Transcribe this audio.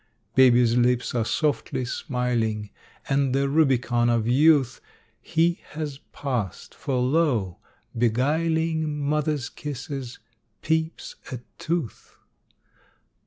Baby's lips are softly smiling, And the Rubicon of youth He has passed, for lo! beguiling Mother's kisses, peeps a tooth.